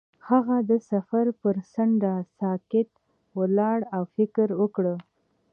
هغه د سفر پر څنډه ساکت ولاړ او فکر وکړ.